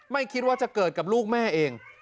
ไม่คิดว่าจะเกิดกับลูกแม่เอง